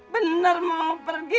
bener mau pergi